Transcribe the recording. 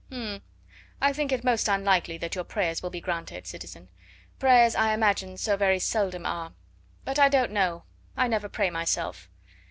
"H'm! I think it most unlikely that your prayers will be granted, citizen; prayers, I imagine, so very seldom are; but I don't know, I never pray myself.